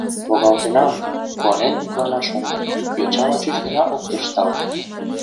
Логалтенам! — куанен йӱклана шоҥго, йочала чуч гына ок тӧршталте.